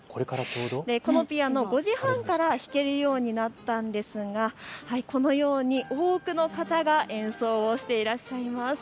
このピアノ、５時半から弾けるようになったんですがこのように多くの方が演奏していらっしゃいます。